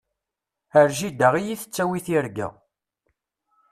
Ar jida i yi-tettawi tirga.